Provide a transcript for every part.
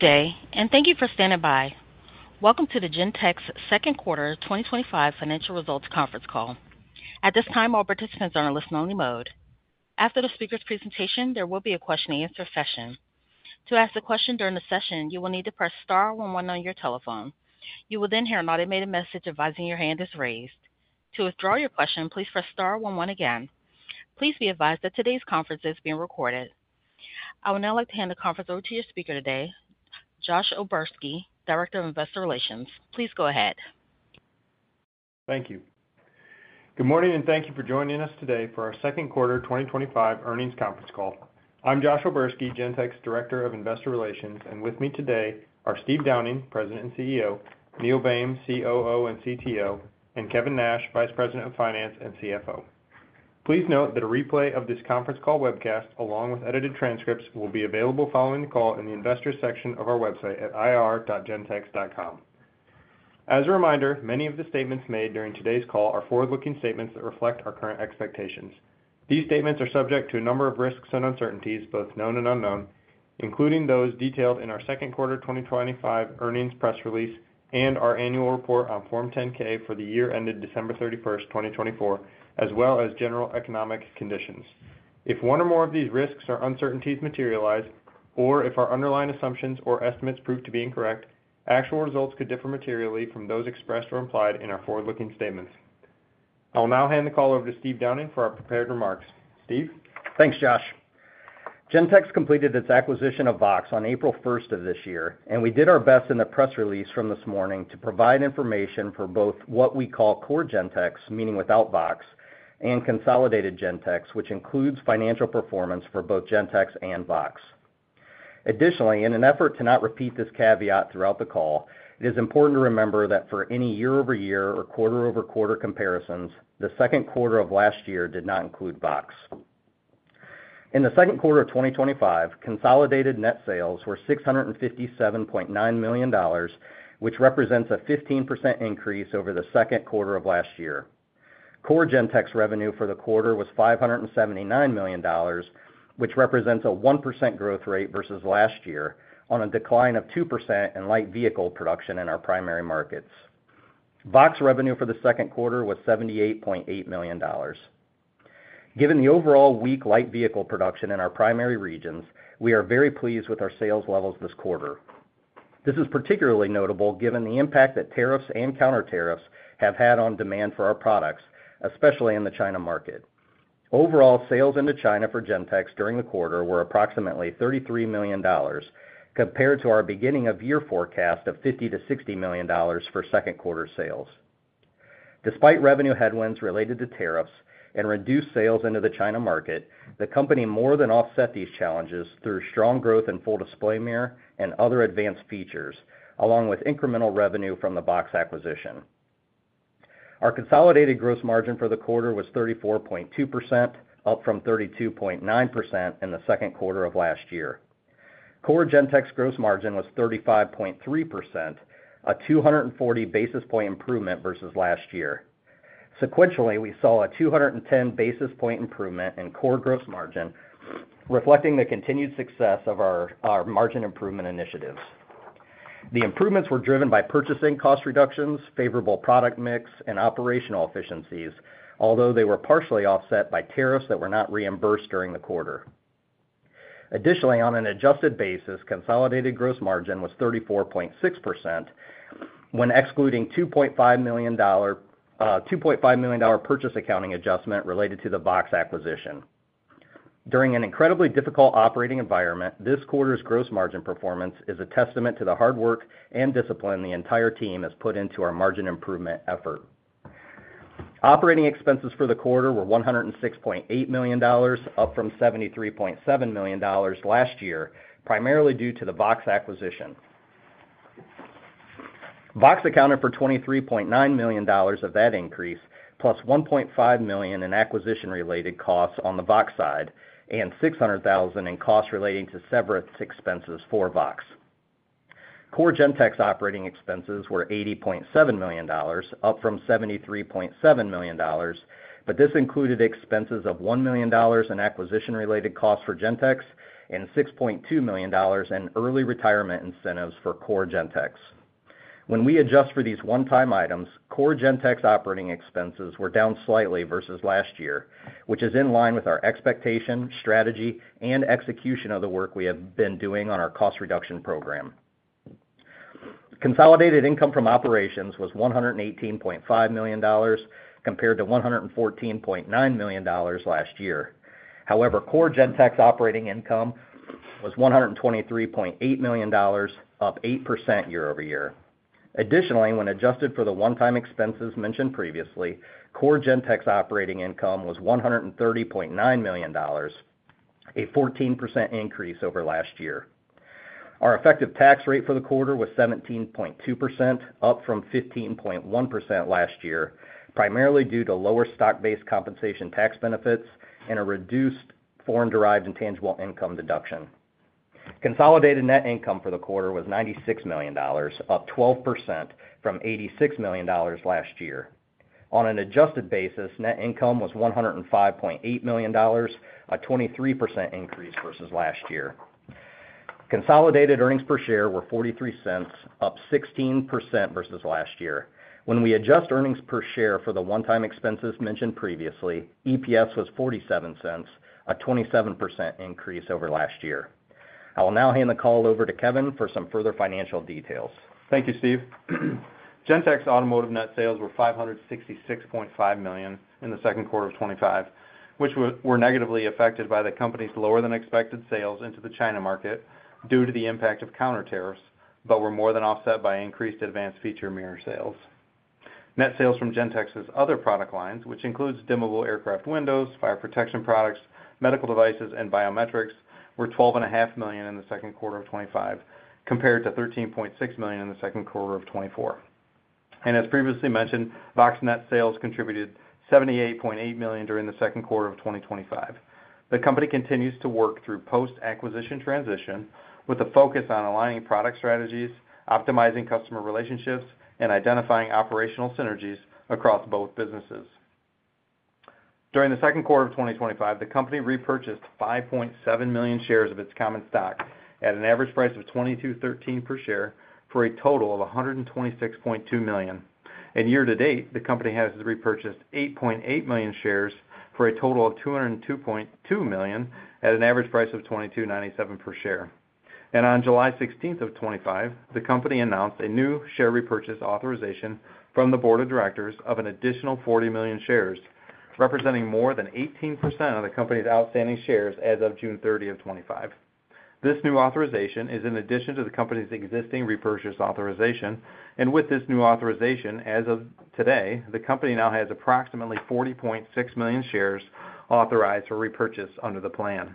Good day, and thank you for standing by. Welcome to the Gentex Second Quarter twenty twenty five Financial Results Conference Call. At this time, all participants are in a listen only mode. After the speakers' presentation, there will be a question and answer session. Please be advised that today's conference is being recorded. I would now like to hand the conference over to your speaker today, Josh Oberski, Director of Investor Relations. Please go ahead. Thank you. Good morning, and thank you for joining us today for our second quarter twenty twenty five earnings conference call. I'm Joshua Bersky, Genentech's Director of Investor Relations. And with me today are Steve Downing, President and CEO Neil Boehm, COO and CTO and Kevin Nash, Vice President of Finance and CFO. Please note that a replay of this conference call webcast along with edited transcripts will be available following the call in the Investors section of our website at ir.gentex.com. As a reminder, many of the statements made during today's call are forward looking statements that reflect our current expectations. These statements are subject to a number of risks and uncertainties, both known and unknown, including those detailed in our second quarter twenty twenty five earnings press release and our annual report on Form 10 ks for the year ended 12/31/2024, as well as general economic conditions. If one or more of these risks or uncertainties materialize or if our underlying assumptions or estimates prove to be incorrect, actual results could differ materially from those expressed or implied in our forward looking statements. I will now hand the call over to Steve Downing for our prepared remarks. Steve? Thanks, Josh. Gentex completed its acquisition of VOXX on April 1, and we did our best in the press release from this morning to provide information for both what we call core Gentex, meaning without VOXX, and consolidated Gentex, which includes financial performance for both Gentex and VOXX. Additionally, in an effort to not repeat this caveat throughout the call, it is important to remember that for any year over year or quarter over quarter comparisons, the second quarter of last year did not include Box. In the second quarter of twenty twenty five, consolidated net sales were $657,900,000 which represents a 15% increase over the second quarter of last year. Core Gentex revenue for the quarter was $579,000,000 which represents a 1% growth rate versus last year on a decline of 2% in light vehicle production in our primary markets. Box revenue for the second quarter was $78,800,000 Given the overall weak light vehicle production in our primary regions, we are very pleased with our sales levels this quarter. This is particularly notable given the impact that tariffs and counter tariffs have had on demand for our products, especially in the China market. Overall, sales into China for Gentex during the quarter were approximately $33,000,000 compared to our beginning of year forecast of 50,000,000 to $60,000,000 for second quarter sales. Despite revenue headwinds related to tariffs and reduced sales into the China market, the company more than offset these challenges through strong growth in Full Display Mirror and other advanced features, along with incremental revenue from the Box acquisition. Our consolidated gross margin for the quarter was 34.2%, up from 32.9% in the second quarter of last year. Core Gentex gross margin was 35.3%, a two forty basis point improvement versus last year. Sequentially, we saw a two ten basis point improvement in core gross margin, reflecting the continued success of our margin improvement initiatives. The improvements were driven by purchasing cost reductions, favorable product mix and operational efficiencies, although they were partially offset by tariffs that were not reimbursed during the quarter. Additionally, on an adjusted basis, consolidated gross margin was 34.6% when excluding $2,500,000 purchase accounting adjustment related to the VOXX acquisition. During an incredibly difficult operating environment, this quarter's gross margin performance is a testament to the hard work and discipline the entire team has put into our margin improvement effort. Operating expenses for the quarter were $106,800,000 up from $73,700,000 last year, primarily due to the VOXX acquisition. VOXX accounted for $23,900,000 of that increase plus $1,500,000 in acquisition related costs on the VOX side and $600,000 in costs relating to severance expenses for VOX. Core Gentex operating expenses were $80,700,000 up from $73,700,000 but this included expenses of $1,000,000 in acquisition related costs for Gentex and $6,200,000 in early retirement incentives for core Gentex. When we adjust for these onetime items, core Gentex operating expenses were down slightly versus last year, which is in line with our expectation, strategy and execution of the work we have been doing on our cost reduction program. Consolidated income from operations was $118,500,000 compared to $114,900,000 last year. However, core GenTech's operating income was $123,800,000 up 8% year over year. Additionally, when adjusted for the one time expenses mentioned previously, core Gentex operating income was $130,900,000 a 14% increase over last year. Our effective tax rate for the quarter was 17.2%, up from 15.1% last year, primarily due to lower stock based compensation tax benefits and a reduced foreign derived intangible income deduction. Consolidated net income for the quarter was $96,000,000 up 12% from $86,000,000 last year. On an adjusted basis, net income was $105,800,000 a 23% increase versus last year. Consolidated earnings per share were $0.43 up 16% versus last year. When we adjust earnings per share for the one time expenses mentioned previously, EPS was $0.47 a 27% increase over last year. I will now hand the call over to Kevin for some further financial details. Thank you, Steve. Gentex Automotive net sales were $566,500,000 in the second quarter of twenty twenty five, which were negatively affected by the company's lower than expected sales into the China market due to the impact of counter tariffs, but were more than offset by increased advanced feature mirror sales. Net sales from Gentex's other product lines, which includes dimmable aircraft windows, fire protection medical devices, and biometrics, were $12,500,000 in the 2025 compared to $13,600,000 in the second quarter of twenty twenty four. And as previously mentioned, VOXX net sales contributed $78,800,000 during the second quarter of twenty twenty five. The company continues to work through post acquisition transition, with a focus on aligning product strategies, optimizing customer relationships, and identifying operational synergies across both businesses. During the second quarter of twenty twenty five, the company repurchased 5,700,000.0 shares of its common stock at an average price of $22.13 per share for a total of $126,200,000 and year to date, the company has repurchased 8,800,000.0 shares for a total of $202,200,000 at an average price of $22.97 per share. On July 16, the company announced a new share repurchase authorization from the Board of Directors of an additional 40,000,000 shares, representing more than 18% of the company's outstanding shares as of June 30. This new authorization is in addition to the company's existing repurchase authorization. And with this new authorization, as of today, the company now has approximately 40,600,000 shares authorized for repurchase under the plan.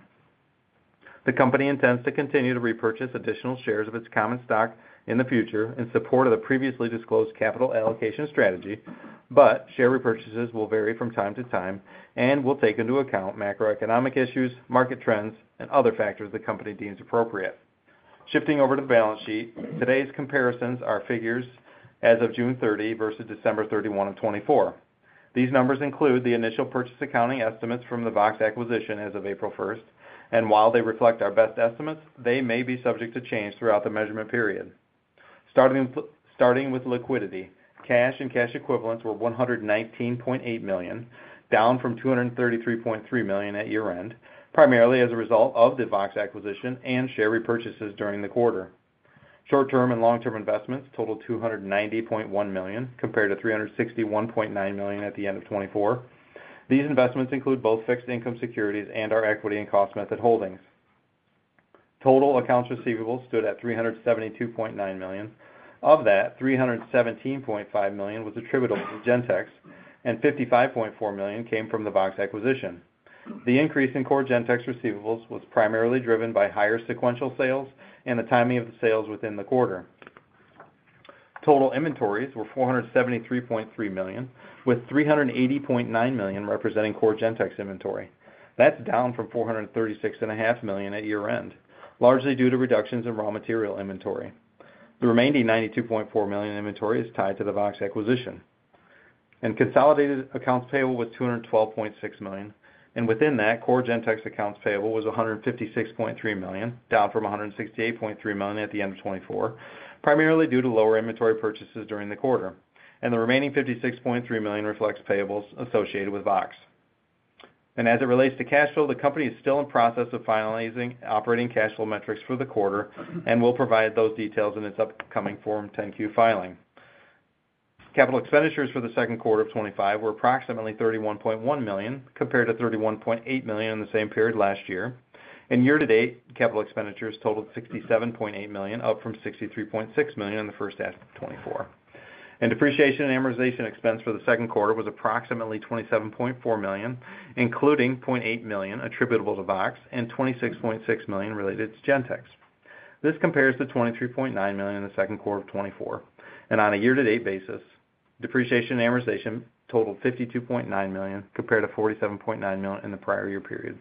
The company intends to continue to repurchase additional shares of its common stock in the future in support of the previously disclosed capital allocation strategy, but share repurchases will vary from time to time and will take into account macroeconomic issues, market trends, and other factors the company deems appropriate. Shifting over to the balance sheet. Today's comparisons are figures as of June 30 versus December 31. These numbers include the initial purchase accounting estimates from the VOXX acquisition as of April 1, and while they reflect our best estimates, they may be subject to change throughout the measurement period. Starting with liquidity, cash and cash equivalents were $119,800,000 down from $233,300,000 at year end, primarily as a result of the VOXX acquisition and share repurchases during the quarter. Short term and long term investments totaled $290,100,000 compared to $361,900,000 at the end of 'twenty four. These investments include both fixed income securities and our equity and cost method holdings. Total accounts receivable stood at $372,900,000 Of that, 317,500,000.0 was attributable to Gentex and $55,400,000 came from the VOXX acquisition. The increase in core Gentex receivables was primarily driven by higher sequential sales and the timing of the sales within the quarter. Total inventories were $473,300,000 with $380,900,000 representing core Gentex inventory. That's down from $436,500,000 at year end, largely due to reductions in raw material inventory. The remaining $92,400,000 inventory is tied to the VOXX acquisition. And consolidated accounts payable was $212,600,000 And within that, core Gentex accounts payable was $156,300,000 down from $168,300,000 at the end of 'twenty four, primarily due to lower inventory purchases during the quarter. And the remaining $56,300,000 reflects payables associated with VOXX. And as it relates to cash flow, the company is still in process of finalizing operating cash flow metrics for the quarter, and we'll provide those details in its upcoming Form 10 Q filing. Capital expenditures for the '5 were approximately $31,100,000 compared to $31,800,000 in the same period last year. And year to date, capital expenditures totaled $67,800,000 up from $63,600,000 in the first half of 'twenty four. And depreciation and amortization expense for the second quarter was approximately $27,400,000 including $800,000 attributable to VOXX and $26,600,000 related to Gentex. This compares to $23,900,000 in the second quarter of 'twenty four. And on a year to date basis, depreciation and amortization totaled $52,900,000 compared to $47,900,000 in the prior year period.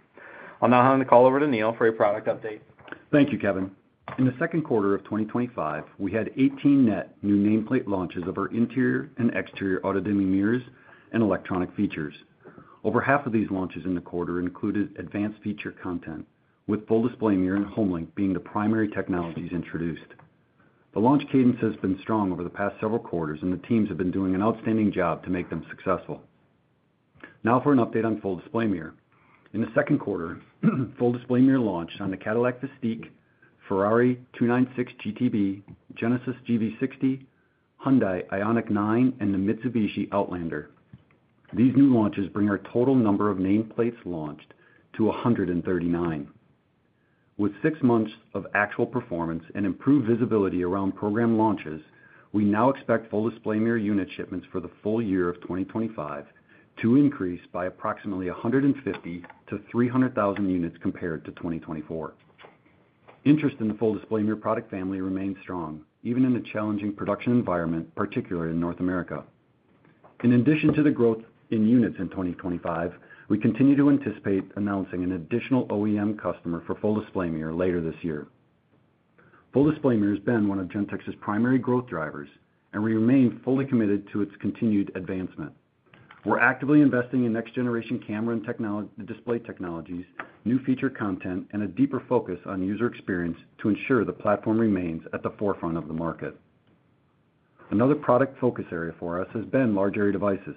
I'll now hand the call over to Neil for a product update. Thank you, Kevin. In the second quarter of twenty twenty five, we had 18 net new nameplate launches of our interior and exterior auto dimming mirrors and electronic features. Over half of these launches in the quarter included advanced feature content, with Full Display Mirror and HomeLink being the primary technologies introduced. The launch cadence has been strong over the past several quarters, and the teams have been doing an outstanding job to make them successful. Now for an update on Full Display Mirror. In the second quarter, full display mirror launched on the Cadillac Festique, Ferrari two ninety six GTB, Genesis GV60, Hyundai Ioniq nine, and the Mitsubishi Outlander. These new launches bring our total number of nameplates launched to 139. With six months of actual performance and improved visibility around program launches, we now expect full display mirror unit shipments for the full year of 2025 to increase by approximately 150,000 to 300,000 units compared to 2024. Interest in the full display mirror product family remains strong, even in the challenging production environment, particularly in North America. In addition to the growth in units in 2025, we continue to anticipate announcing an additional OEM customer for full display mirror later this year. Full display mirror has been one of Gentex's primary growth drivers, and we remain fully committed to its continued advancement. We're actively investing in next generation camera and display technologies, new feature content, and a deeper focus on user experience to ensure the platform remains at the forefront of the market. Another product focus area for us has been large area devices.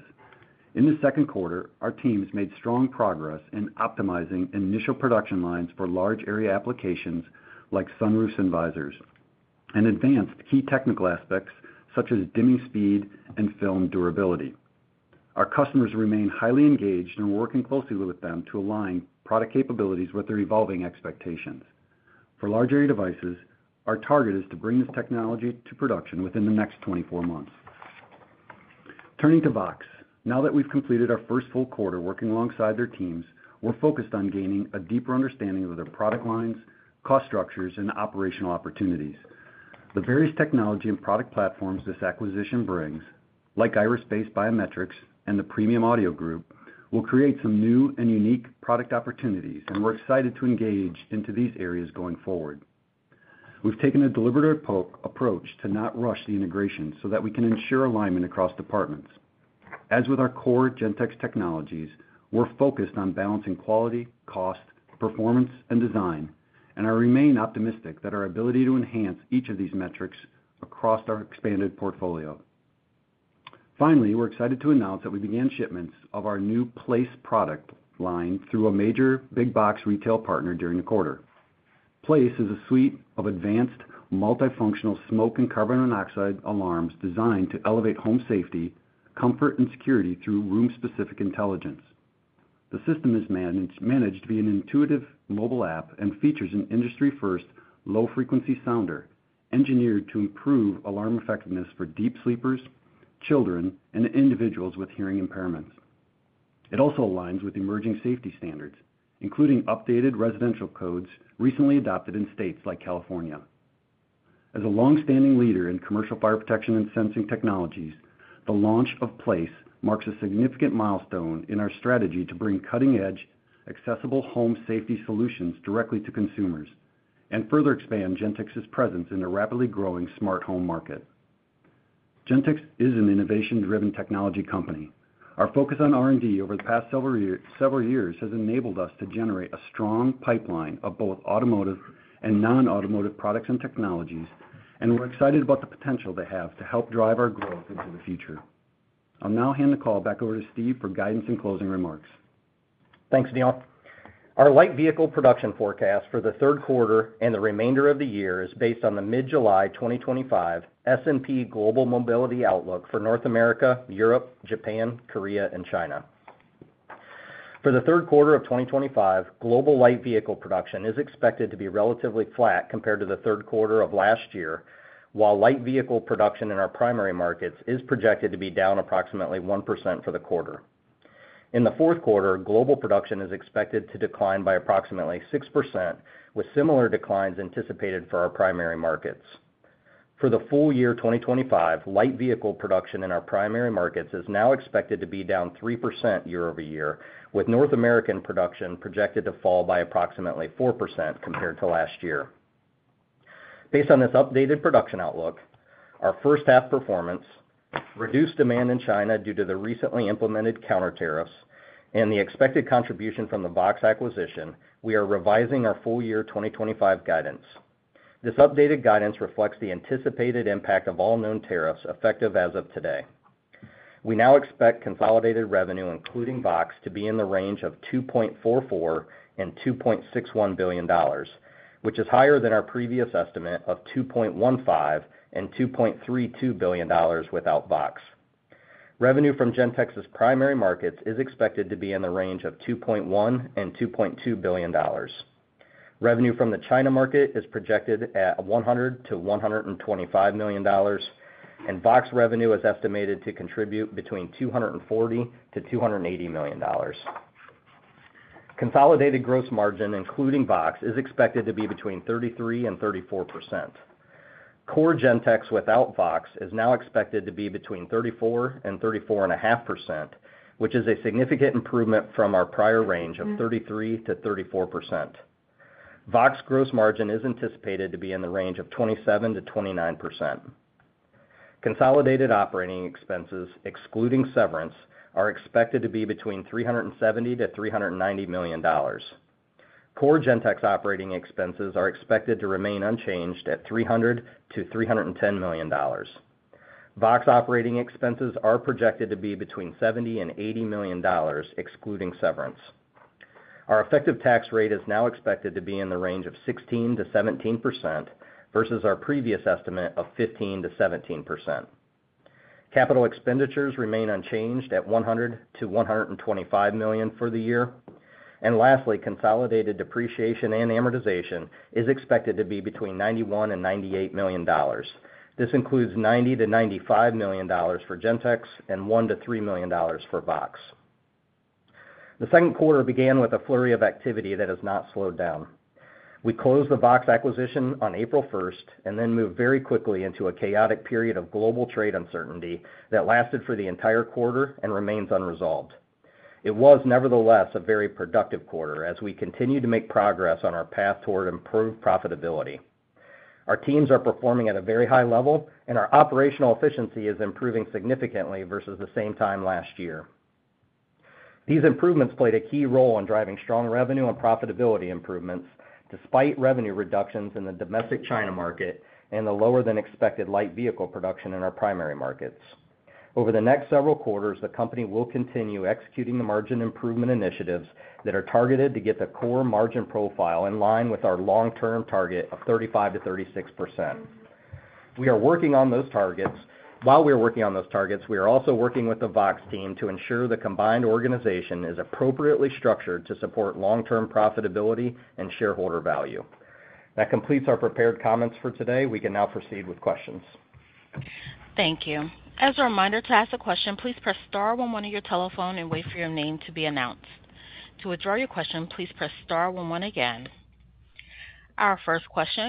In the second quarter, our teams made strong progress in optimizing initial production lines for large area applications like sunroofs and visors and advanced key technical aspects such as dimming speed and film durability. Our customers remain highly engaged and are working closely with them to align product capabilities with their evolving expectations. For large area devices, our target is to bring this technology to production within the next twenty four months. Turning to VOXX. Now that we've completed our first full quarter working alongside their teams, we're focused on gaining a deeper understanding of their product lines, cost structures and operational opportunities. The various technology and product platforms this acquisition brings, like Iris based biometrics and the Premium Audio Group, will create some new and unique product opportunities, and we're excited to engage into these areas going forward. We've taken a deliberate approach to not rush the integration so that we can ensure alignment across departments. As with our core Gentex technologies, we're focused on balancing quality, cost, performance and design, and I remain optimistic that our ability to enhance each of these metrics across our expanded portfolio. Finally, we're excited to announce that we began shipments of our new place product line through a major big box retail partner during the quarter. Place is a suite of advanced multifunctional smoke and carbon monoxide alarms designed to elevate home safety, comfort, and security through room specific intelligence. The system is managed via an intuitive mobile app and features an industry first low frequency sounder engineered to improve alarm effectiveness for deep sleepers, children, and individuals with hearing impairments. It also aligns with emerging safety standards, including updated residential codes recently adopted in states like California. As a longstanding leader in commercial fire protection and sensing technologies, the launch of PLACE marks a significant milestone in our strategy to bring cutting edge, accessible home safety solutions directly to consumers and further expand Gentex's presence in the rapidly growing smart home market. GenTyx is an innovation driven technology company. Our focus on R and D over the past several years has enabled us to generate a strong pipeline of both automotive and non automotive products and technologies, and we're excited about the potential they have to help drive our growth into the future. I'll now hand the call back over to Steve for guidance and closing remarks. Thanks, Neil. Our light vehicle production forecast for the third quarter and the remainder of the year is based on the mid July twenty twenty five S and P global mobility outlook for North America, Europe, Japan, Korea and China. For the third quarter of twenty twenty five, global light vehicle production is expected to be relatively flat compared to the third quarter of last year, while light vehicle production in our primary markets is projected to be down approximately 1% for the quarter. In the fourth quarter, global production is expected to decline by approximately 6% with similar declines anticipated for our primary markets. For the full year 2025, light vehicle production in our primary markets is now expected to be down 3% year over year with North American production projected to fall by approximately 4% compared to last year. Based on this updated production outlook, our first half performance, reduced demand in China due to the recently implemented counter tariffs and the expected contribution from the Box acquisition, we are revising our full year 2025 guidance. This updated guidance reflects the anticipated impact of all known tariffs effective as of today. We now expect consolidated revenue, including VOXX, to be in the range of $2,440,000,000 and $2,610,000,000 which is higher than our previous estimate of $2,150,000,000 and $2,320,000,000 without VOXX. Revenue from Gentex's primary markets is expected to be in the range of $2,100,000,000 and $2,200,000,000 Revenue from the China market is projected at 100,000,000 to $125,000,000 and VOXX revenue is estimated to contribute between $240,000,000 to $280,000,000 Consolidated gross margin including VOXX is expected to be between 3334%. Core Gentex without VOXX is now expected to be between thirty four percent and thirty four point five percent, which is a significant improvement from our prior range of 33% to 34%. VOXX gross margin is anticipated to be in the range of 27% to 29%. Consolidated operating expenses, excluding severance, are expected to be between $370,000,000 to $390,000,000 Core Gentex operating expenses are expected to remain unchanged at $300,000,000 to $310,000,000 VOXX operating expenses are projected to be between 70,000,000 and $80,000,000 excluding severance. Our effective tax rate is now expected to be in the range of 16% to 17% versus our previous estimate of 15% to 17%. Capital expenditures remain unchanged at 100,000,000 to $125,000,000 for the year. And lastly, consolidated depreciation and amortization is expected to be between 91,000,000 and $98,000,000 This includes 90,000,000 to $95,000,000 for Gentex and 1,000,000 to $3,000,000 for VOXX. The second quarter began with a flurry of activity that has not slowed down. We closed the VOXX acquisition on April 1 and then moved very quickly into a chaotic period of global trade uncertainty that lasted for the entire quarter and remains unresolved. It was nevertheless a very productive quarter as we continue to make progress on our path toward improved profitability. Our teams are performing at a very high level and our operational efficiency is improving significantly versus the same time last year. These improvements played a key role in driving strong revenue and profitability improvements despite revenue reductions in the domestic China market and the lower than expected light vehicle production in our primary markets. Over the next several quarters, the company will continue executing the margin improvement initiatives that are targeted to get the core margin profile in line with our long term target of 35% to 36%. While we are working on those targets, we are also working with the VOXX team to ensure the combined organization is appropriately structured to support long term profitability and shareholder value. That completes our prepared comments for today. We can now proceed with questions. Thank you. Our first question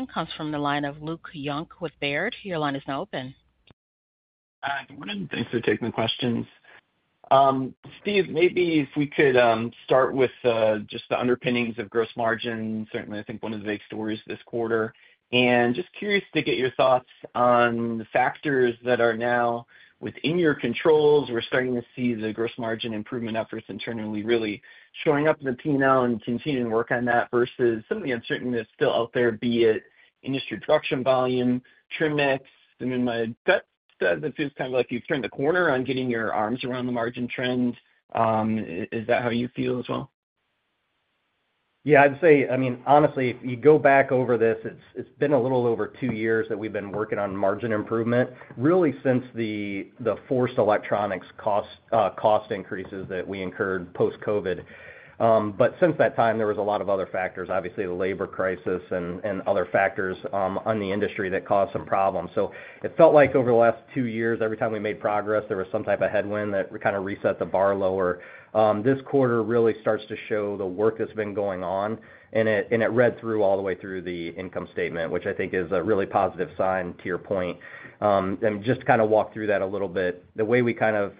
comes from the line of Luke Junk with Baird. Your line is now open. Good morning. Thanks for taking the questions. Steve, maybe if we could start with just the underpinnings of gross margin, certainly, I think one of the big stories this quarter. And just curious to get your thoughts on the factors that are now within your controls. We're starting to see the gross margin improvement efforts internally really showing up in the P and L and continuing to work on that versus some of the uncertainty that's still out there, be it industry production volume, trim mix. I mean my says it feels kind of like you've turned the corner on getting your arms around the margin trend. Is that how you feel as well? Yes, I'd say, I mean, honestly, if you go back over this, it's been a little over two years that we've been working on margin improvement, really since the forced electronics cost increases that we incurred post COVID. But since that time, there was a lot of other factors, obviously, labor crisis and other factors, on the industry that caused some problems. So it felt like over the last two years, every time we made progress, there was some type of headwind that we kind of reset the bar lower. This quarter really starts to show the work that's been going on and it read through all the way through the income statement, which I think is a really positive sign to your point. And just to kind of walk through that a little bit, the way we kind of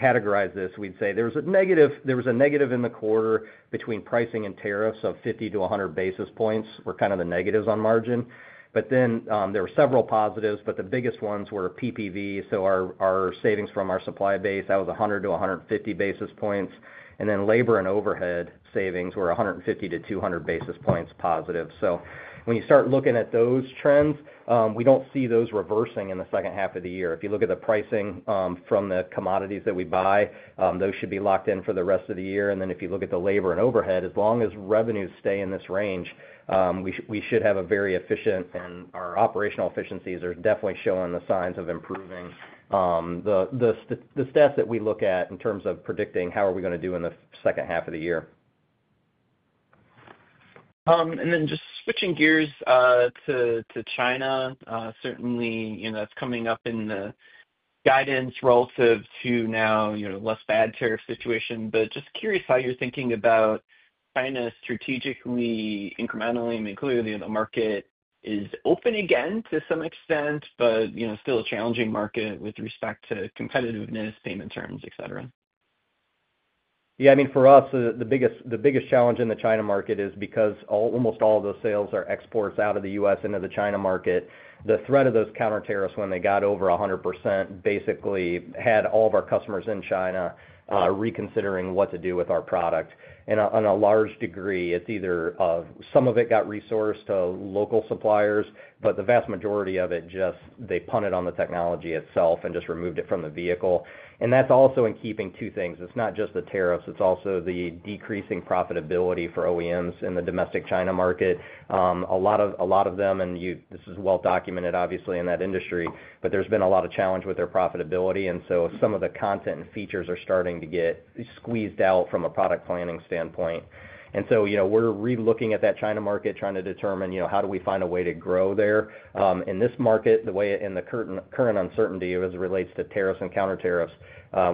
categorize this, we'd say there was a negative in the quarter between pricing and tariffs of 50 to 100 basis points were kind of the negatives on margin. But then, there were several positives, but the biggest ones were PPV. So our savings from our supply base, that was 100 to 150 basis points. And then labor and overhead savings were 150 to 200 basis points positive. So when you start looking at those trends, we don't see those reversing in the second half of the year. If you look at the pricing from the commodities that we buy, those should be locked in for the rest of the year. And then if you look at the labor and overhead, as long as revenues stay in this range, we should have a very efficient and our operational efficiencies are definitely showing the signs of improving steps that we look at in terms of predicting how are we going to do in the second half of the year. And then just switching gears to China, certainly, that's coming up in the guidance relative to now less bad tariff situation. But just curious how you're thinking about China strategically incrementally. I mean, clearly, the market is open again to some extent, but still a challenging market with respect to competitiveness, payment terms, etcetera. Yes, I mean, us, the biggest challenge in the China market is because almost all of those sales are exports out of The U. S. Into the China market. The threat of those counter tariffs when they got over 100% basically had all of our customers in China reconsidering what to do with our product. And on a large degree, it's either some of it got resourced to local suppliers, but the vast majority of it just they punted on the technology itself and just removed it from the vehicle. And that's also in keeping two things. It's not just the tariffs, it's also the decreasing profitability for OEMs in the domestic China market. A lot of them and this is well documented obviously in that industry, but there's been a lot of challenge with their profitability. So some of the content and features are starting to get squeezed out from a product planning standpoint. And so, we're really looking at that China market trying to determine, how do we find a way to grow there. In this market, way in the current uncertainty as it relates to tariffs and counter tariffs,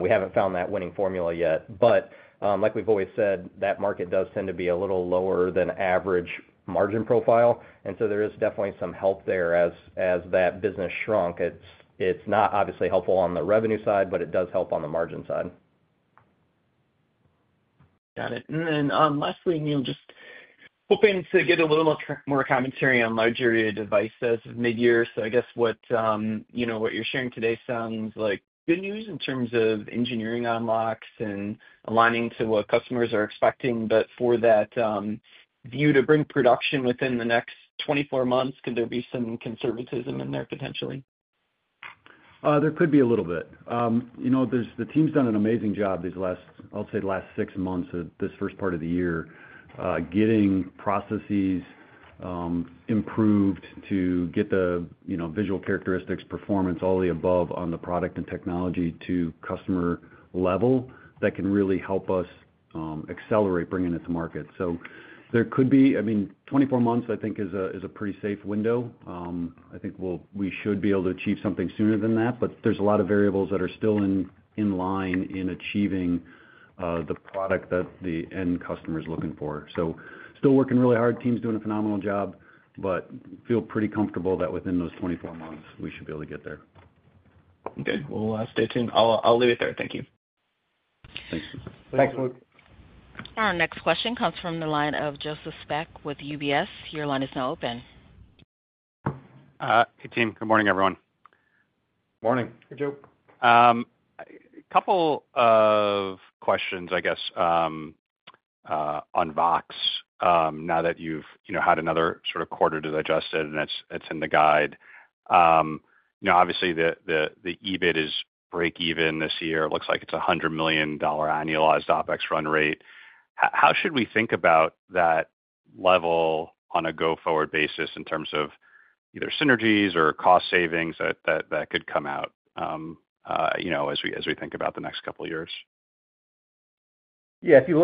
we haven't found that winning formula yet. But like we've always said, that market does tend to be a little lower than average margin profile. And so there is definitely some help there as that business shrunk. It's not obviously helpful on the revenue side, but it does help on the margin side. Got it. And then lastly, Neil, just hoping to get a little more commentary on larger devices midyear. So I guess what you're sharing today sounds like good news in terms of engineering unlocks and aligning to what customers are expecting. But for that view to bring production within the next twenty four months, could there be some conservatism in there potentially? There could be a little bit. The team has done an amazing job these last, I'll say, six months, first part of the year, getting processes improved to get the visual characteristics performance all the above on the product and technology to customer level that can really help us accelerate bringing it to market. So there could be I mean, twenty four months, I think, is a pretty safe window. I think we should be able to achieve something sooner than that, but there's a lot of variables that are still in line in achieving the product that the end customer is looking for. So still working really hard, team is doing a phenomenal job, but feel pretty comfortable that within those twenty four months, we should be able to get there. Our next question comes from the line of Joseph Speck with UBS. Your line is now open. Hey team, good morning everyone. Good morning. Hey Joe. A couple of questions I guess on VOXX, now that you've had another sort of quarter to digest it and that's in the guide. Obviously, EBIT is breakeven this year. It looks like it's $100,000,000 annualized OpEx run rate. How should we think about that level on a go forward basis in terms of either synergies or cost savings that could come out as we think about the next couple of years? Yes. If you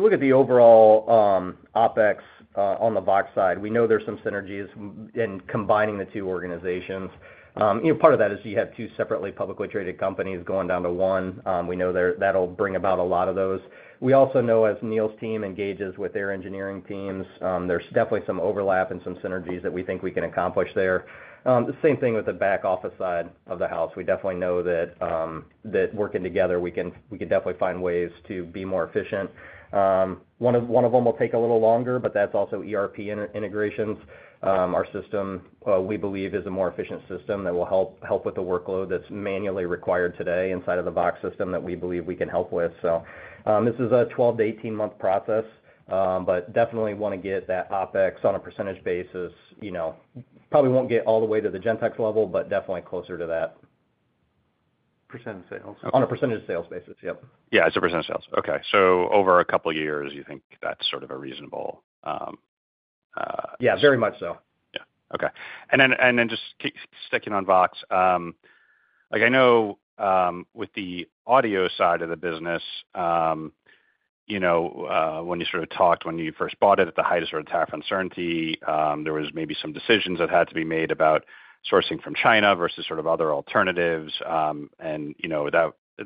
look at the overall OpEx on the box side, we know there's some synergies in combining the two organizations. Part of that is you have two separately publicly traded companies going down to one. We know that'll bring about a lot of those. We also know as Neil's team engages with their engineering teams, there's definitely some overlap and some synergies that we think we can accomplish there. The same thing with the back office side of the house. We definitely know that working together, we can we can definitely find ways to be more efficient. One of one of them will take a little longer, but that's also ERP integrations. Our system, we believe is a more efficient system that will help help with the workload that's manually required today inside of the box system that we believe we can help with. So, this is a twelve to eighteen month process, but definitely wanna get that OpEx on a percentage basis, you know, probably won't get all the way to the Gentex level, but definitely closer to that. Percent of sales. On a percentage of sales basis, yep. Yeah, it's a percent of sales. Okay, so over a couple years, you think that's sort of a reasonable Yeah, very much so. Yeah, okay. And then just sticking on VOXX, like I know with the audio side of the business, you sort of talked when you first bought it at the height of sort of tariff uncertainty, there was maybe some decisions that had to be made about sourcing from China versus sort of other alternatives. And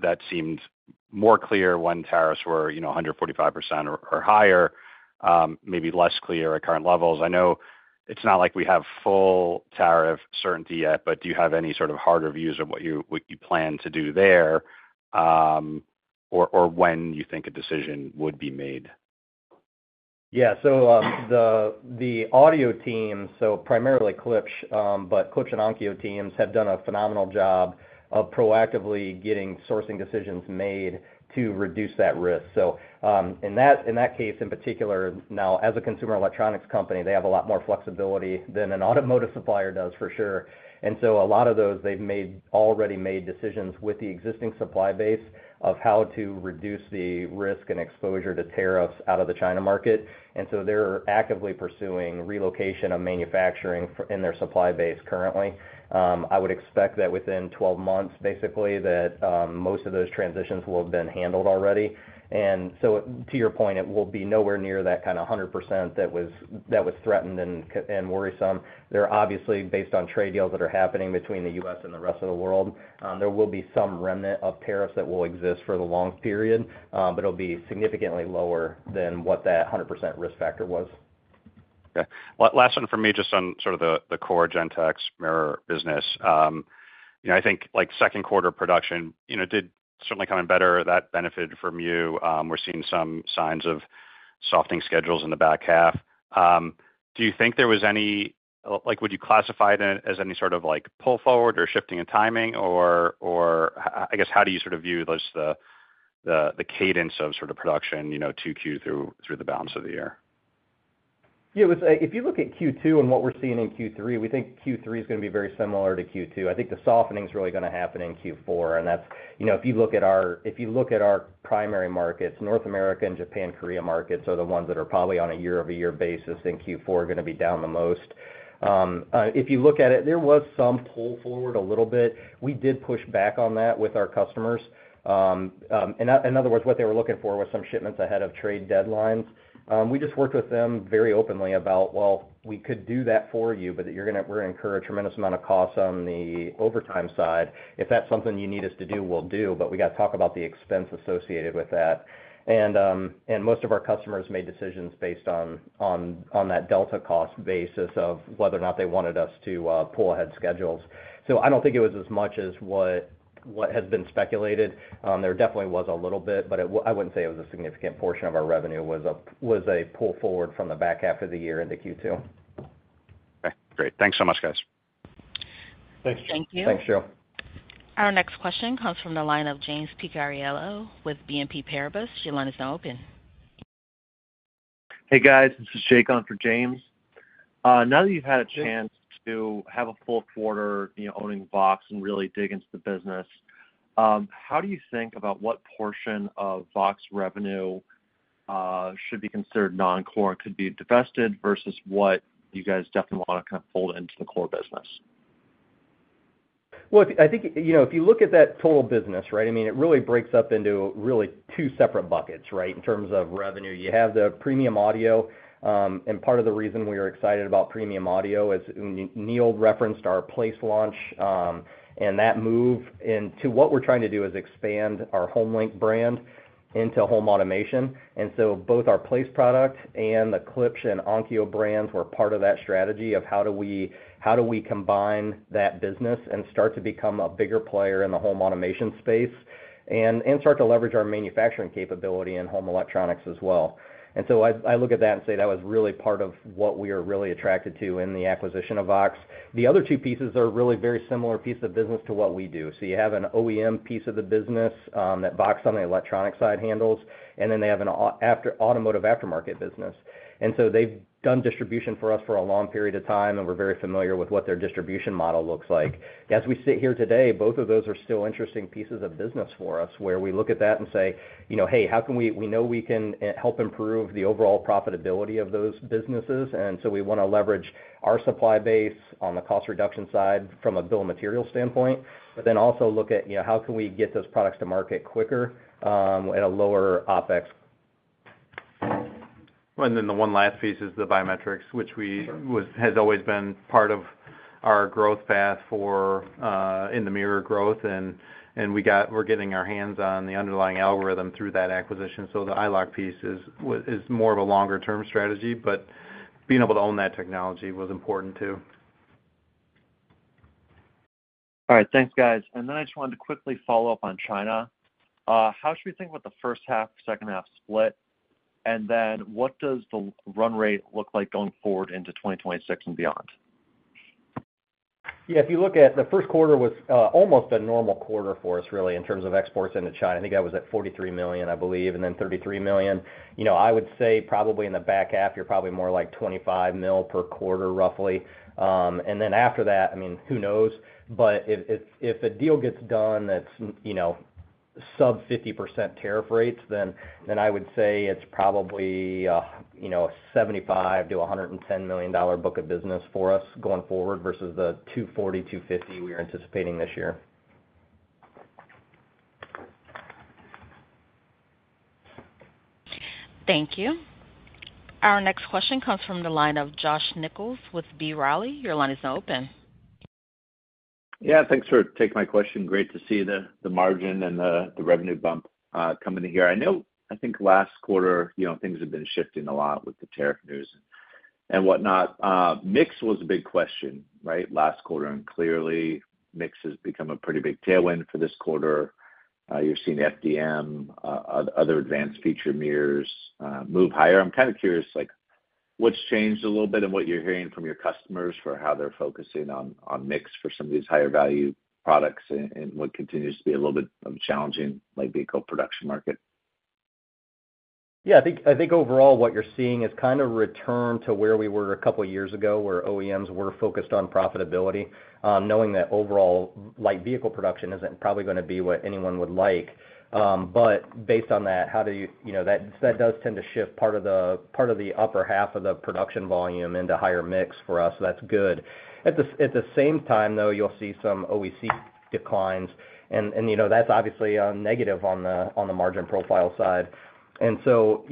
that seemed more clear when tariffs were 145% or higher, maybe less clear at current levels. I know it's not like we have full tariff certainty yet, but do you have any sort of harder views of what you plan to do there or when you think a decision would be made? Yeah, so the audio team, so primarily Klipsch, but Klipsch and Onkyo teams have done a phenomenal job of proactively getting sourcing decisions made to reduce that risk. In that case in particular, now as a consumer electronics company, they have a lot more flexibility than an automotive supplier does for sure. And so a lot of those they've already made decisions with the existing supply base of how to reduce the risk and exposure to tariffs out of the China market. And so they're actively pursuing relocation of manufacturing in their supply base currently. I would expect that within twelve months basically that most of those transitions will have been handled already. So to your point, it will be nowhere near that kind of 100% that was threatened and worrisome. They're obviously based on trade deals that are happening between The US and the rest of the world. There will be some remnant of tariffs that will exist for the long period, but it'll be significantly lower than what that 100% risk factor was. Okay. Last one for me, just on sort of the core Gentex mirror business. I think like second quarter production did certainly come in better that benefited from you. We're seeing some signs of softening schedules in the back half. Do you think there was any like would you classify that as any sort of like pull forward or shifting in timing? Or I guess how do you sort of view those the cadence of sort of production 2Q through the balance of the year? Yes. If you look at Q2 and what we're seeing in Q3, we think Q3 is going to be very similar to Q2. I think the softening is really going to happen in Q4. And that's if look our primary markets, North America and Japan, Korea markets are the ones that are probably on a year over year basis in Q4 are going to be down the most. If you look at it, there was some pull forward a little bit. We did push back on that with our customers. In other words, what they were looking for was some shipments ahead of trade deadlines. We just worked with them very openly about, well, we could do that for you, but that you're going to incur a tremendous amount of costs on the overtime side. If that's something you need us to do, we'll do, but we got to talk about the expense associated with that. And most of our customers made decisions based on that Delta cost basis of whether or not they wanted us to pull ahead schedules. So I don't think it was as much as what has been speculated. There definitely was a little bit, but I wouldn't say it was a significant portion of our revenue was a pull forward from the back half of the year into Q2. Okay, great. Thanks so much guys. Thanks, Joe. Thanks, Joe. Our next question comes from the line of James Picariello with BNP Paribas. Your line is now open. Hey guys, this is Jake on for James. That you've had a to have a full quarter owning VOXX and really dig into the business. How do you think about what portion of VOXX revenue, should be considered non core and could be divested versus what you guys definitely want to kind of fold into the core business? Well, I think, you know, if you look at that total business, right, I mean, it really breaks up into really two separate buckets, right, in terms of revenue. You have the premium audio, and part of the reason we are excited about premium audio is Neil referenced our place launch and that move into what we're trying to do is expand our HomeLink brand into home automation. And so both our place product and the Klipsch and Onkyo brands were part of that strategy of how do we combine that business and start to become a bigger player in the home automation space and start to leverage our manufacturing capability in home electronics as well. And so I look at that and say that was really part of what we are really attracted to in the acquisition of VOXX. The other two pieces are really very similar piece of business to what we do. So you have an OEM piece of the business that VOXX on the electronic side handles and then they have an automotive aftermarket business. And so they've done distribution for us for a long period of time and we're very familiar with what their distribution model looks like. As we sit here today, both of those are still interesting pieces of business for us where we look at that and say, hey, how can we we know we can help improve the overall profitability of those businesses. And so we want to leverage our supply base on the cost reduction side from a bill material standpoint, but then also look at how can we get those products to market quicker, at a lower OpEx. And then the one last piece is the biometrics, which has always been part of our growth path for in the mirror growth, and we're getting our hands on the underlying algorithm through that acquisition. So the EyeLock piece is more of a longer term strategy, but being able to own that technology was important too. All right. Thanks, guys. And then I just wanted to quickly follow-up on China. How should we think about the first half, second half split? And then what does the run rate look like going forward into 2026 and beyond? Yes. If you look at the first quarter was, almost a normal quarter for us really in terms of exports into China. Think that was at $43,000,000 I believe, and then 33,000,000 I would say probably in the back half, you're probably more like 25 mil per quarter roughly. And then after that, I mean, who knows? But if a deal gets done that's sub 50% tariff rates, then I would say it's probably a 75,000,000 to $110,000,000 book of business for us going forward versus the $240,000,002 50,000,000 we are anticipating this year. Thank you. Our next question comes from the line of Josh Nichols with B. Riley. Your line is now open. Yes, thanks for taking my question. Great to see the margin and the revenue bump coming in here. I know I think last quarter, you know, things have been shifting a lot with the tariff news and whatnot. Mix was a big question, right, last quarter, and clearly mix has become a pretty big tailwind for this quarter. You're seeing FDM, other advanced feature mirrors move higher. I'm kind of curious, like, what's changed a little bit of what you're hearing from your customers for how they're focusing on mix for some of these higher value products and what continues to be a little bit of a challenging light vehicle production market? Yes, I think overall, you're seeing is kind of return to where we were a couple of years ago where OEMs were focused on profitability, knowing that overall light vehicle production isn't probably going to be what anyone would like. But based on that, how do you that does tend to shift part of the upper half of the production volume into higher mix for us. So that's good. At the same time though, you'll see some OEC declines and that's obviously a negative on the margin profile side. And so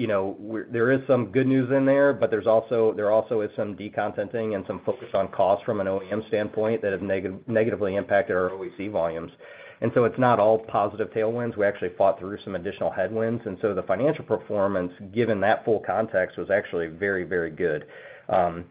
there is some good news in there, but there also is some decontenting and focus on cost from an OEM standpoint that has negatively impacted our OEC volumes. And so it's not all positive tailwinds. We actually fought through some additional headwinds. And so the financial performance, given that full context, was actually very, very good.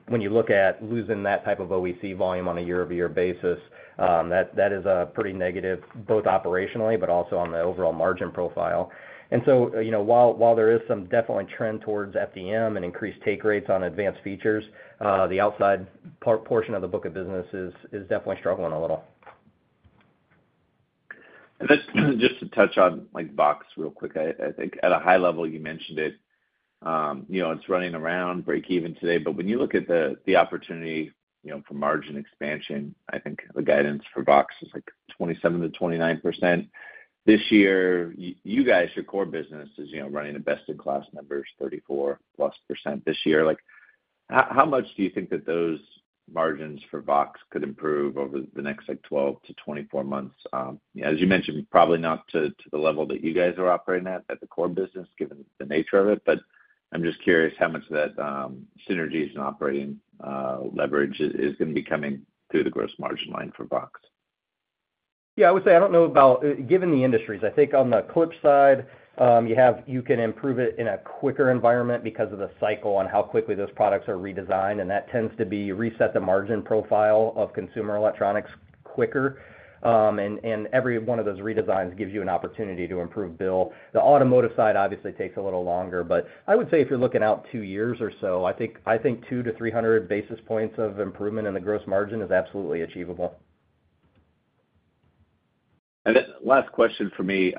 When you look at losing that type of OEC volume on a year over year basis, is a pretty negative both operationally, but also on the overall margin profile. And so, while there is some definitely trend towards FDM and increased take rates on advanced features, The outside portion of the book of business is definitely struggling a little. And just to touch on like VOXX real quick. Think at a high level, you mentioned it. It's running around breakeven today. But when you look opportunity for margin expansion, I think the guidance for VOXX is like 27% to 29%. This year, you guys, your core business is running the best in class numbers 34 plus percent this year. Like how much do you think that those margins for VOXX could improve over the next like twelve to twenty four months? As you mentioned, probably not to the level that you guys are operating at, at the core business given the nature of it, but I'm just curious how much of that synergies and operating leverage is going to be coming through the gross margin line for VOXX? Yes, would say, don't know about given the industries, I think on the clip side, you can improve it in a quicker environment because of the cycle on how quickly those products are redesigned. And that tends to be reset the margin profile of consumer electronics quicker. And every one of those redesigns gives you an opportunity to improve bill. The automotive side obviously takes a little longer. But I would say if you're looking out two years or so, I think 200 to 300 basis points of improvement in the gross margin is absolutely achievable. And then last question for me.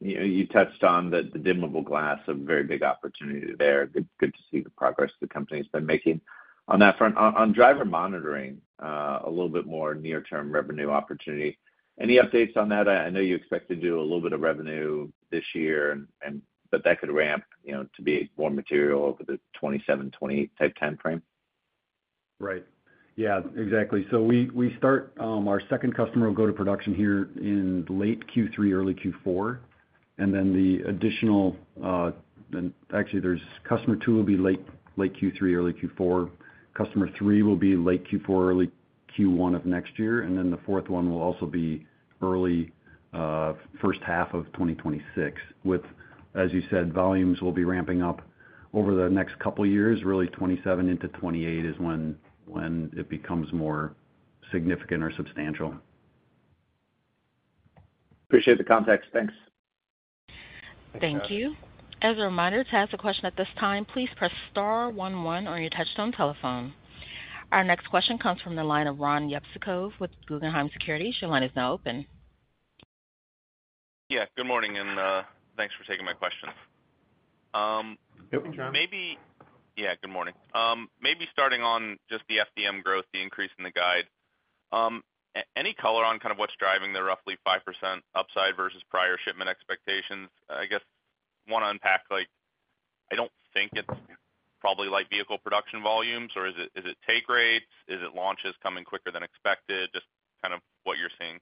You touched on the dimmable glass, very big opportunity there. Good to see the progress the company has been making on that front. On driver monitoring, a little bit more near term revenue opportunity. Any updates on that? I know you expect to do a little bit of revenue this year and but that could ramp to be more material over the 2027, 2028 type timeframe? Right. Yes, exactly. So we start our second customer will go to production here in late Q3, early Q4. And then the additional actually, there's customer two will be late Q3, early Q4. Customer three will be late Q4, early Q1 of next year. And then the fourth one will also be 2026 with, as you said, volumes will be ramping up over the next couple of years, really 2027 into 2028 is when it becomes more significant or substantial. Appreciate the context. Thanks. Thank you. Our next question comes from the line of Ron Yepsicov with Guggenheim Securities. Your line is now open. Yes. Good morning and thanks for taking my questions. Starting on just the FDM growth, the increase in the guide. Any color on kind of what's driving the roughly 5% upside versus prior shipment expectations? I guess, I want to unpack like, I don't think it's probably like vehicle production volumes or is take rates? Is it launches coming quicker than expected? Just kind of what you're seeing.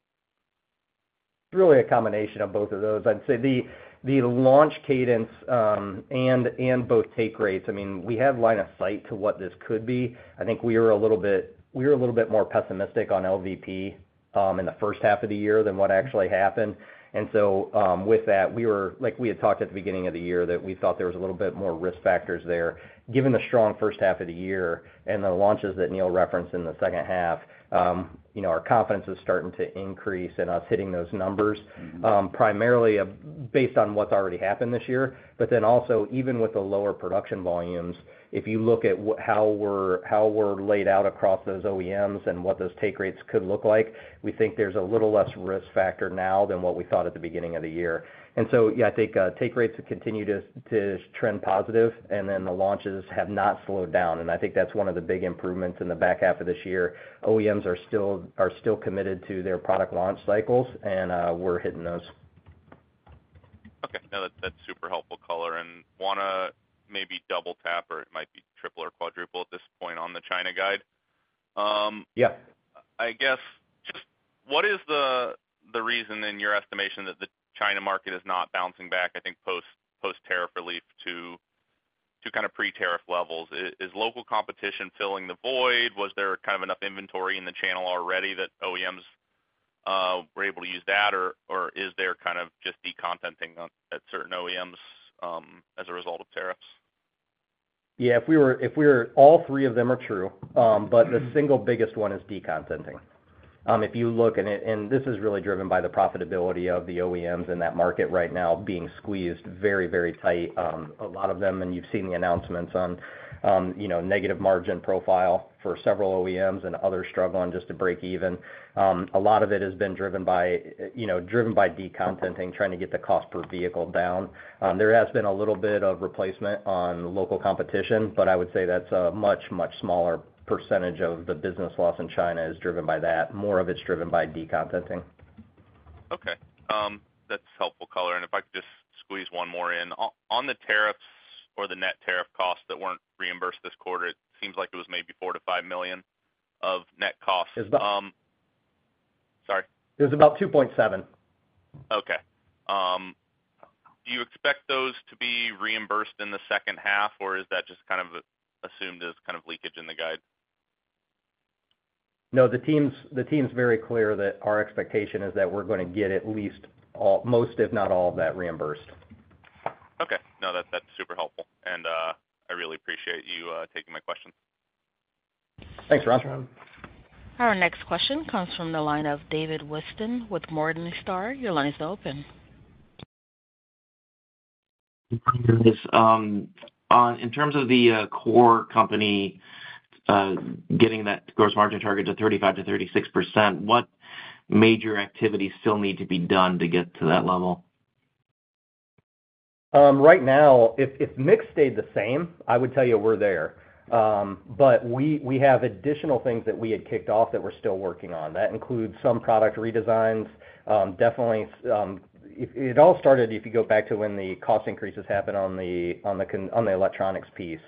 Really a combination of both of those. I'd say the launch cadence and both take rates, I mean, we have line of sight to what this could be. I think we were bit a more pessimistic on LVP in the first half of the year than what actually happened. And so with that, we were like we had talked at the beginning of the year that we thought there was a little bit more risk factors there. Given the strong first half of the year and the launches that Neil referenced in the second half, our confidence is starting to increase in us hitting those numbers, primarily based on what's already happened this year. But then also even with the lower production volumes, if you look at how we're laid out across those OEMs and what those take rates could look like, we think there's a little less risk factor now than what we thought at the beginning of the year. And so, yes, think take rates have continued to trend positive and then the launches have not slowed down. And I think that's one of the big improvements in the back half of this year. OEMs are still committed to their product launch cycles, and we're hitting those. Okay. That's super helpful color. And I want to maybe double tap or it might be triple or quadruple at this point on the China guide. Yes. I guess, just what is the reason in your estimation that the China market is not bouncing back, I think, tariff relief to kind of pre tariff levels? Is local competition filling the void? Was there kind of enough inventory in the channel already that OEMs were able to use that? Or is there kind of just decontenting at certain OEMs as a result of tariffs? Yes. If we were all three of them are true, but the single biggest one is decontenting. If you look and this is really driven by the profitability of the OEMs in that market right now being squeezed very, very tight, a lot of them. And you've seen the announcements on negative margin profile for several OEMs and others struggling just to breakeven. A lot of it has been driven by de contenting, trying to get the cost per vehicle down. There has been a little bit of replacement on local competition, but I would say that's a much, much smaller percentage of the business loss in China is driven by that. More of it's driven by decontenting. Okay. That's helpful color. And if I could just squeeze one more in. On the tariffs or the net tariff costs that weren't reimbursed this quarter, it seems like it was maybe 4,000,000 to $5,000,000 of net costs. Sorry. It was about 2,700,000.0 Okay. Do you expect those to be reimbursed in the second half? Or is that just kind of assumed as kind of leakage in the guide? No. The very clear that our expectation is that we're going to get at least most, if not all, of that reimbursed. Okay. No, that's super helpful. And I really appreciate you taking my questions. Raj. Our next question comes from the line of David Whiston with Morningstar. Your line is open. In terms of the core company getting that gross margin target to 35% to 36%, what major activities still need to be done to get to that level? Right now, if mix stayed the same, I would tell you we're there. But we have additional things that we had kicked off that we're still working on. That includes some product redesigns. Definitely, it all started if you go back to when the cost increases happened on electronics piece.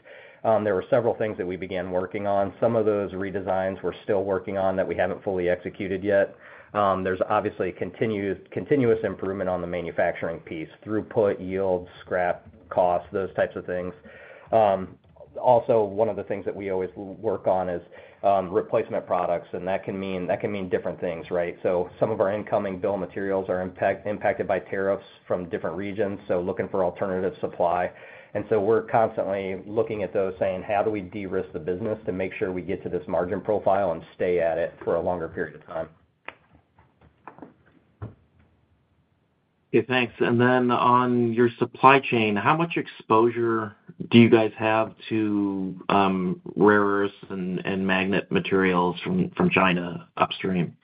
There were several things that we began working on. Some of those redesigns we're still working on that we haven't fully executed yet. There's obviously continuous improvement on the manufacturing piece throughput, yields, scrap costs, those types of things. Also, one of the things that we always work on is replacement products and that can mean different things. So some of our incoming bill materials are impacted by tariffs from different regions, so looking for alternative supply. And so we're constantly looking at those saying, how do we de risk the business to make sure we get to this margin profile and stay at it for a longer period of time. Thanks. And then on your supply chain, how much exposure do you guys have to rare earths and magnet materials from China upstream?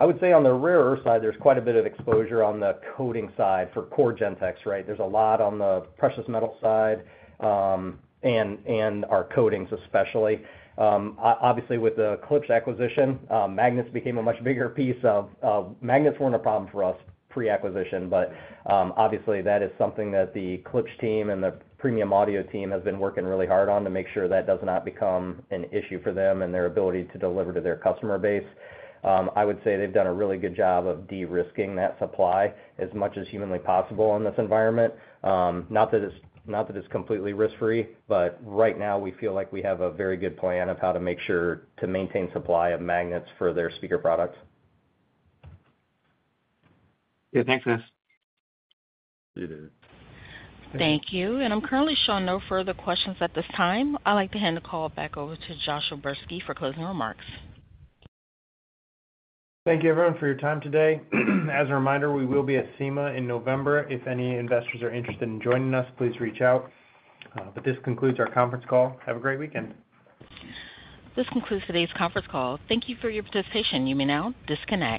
I would say on the rare earth side, there's quite a bit of exposure on the coating side for core Gentex, right? There's a lot on the precious metal side and our coatings especially. Obviously with the Klipsch acquisition, magnets became a much bigger piece of magnets weren't a problem for us pre acquisition, but, obviously that is something that the Klipsch team and the Premium Audio team have been working really hard on to make sure that does not become an issue for them and their ability to deliver to their customer base. I would say they've done a really good job of de risking that supply as much as humanly possible in this environment. Not that it's completely risk free, but right now we feel like we have a very good plan of how to make sure to maintain supply of magnets for their speaker products. Thanks, guys. Thank you. And I'm currently showing no further questions at this time. I'd like to hand the call back over to Joshua Bersky for closing remarks. Thank you, everyone, for your time today. As a reminder, we will be at CEMA in November. If any investors are interested in joining us, please reach out. But this concludes our conference call. Have a great weekend. This concludes today's conference call. Thank you for your participation. You may now disconnect.